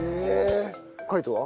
海人は？